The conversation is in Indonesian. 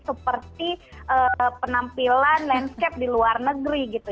seperti penampilan landscape di luar negeri gitu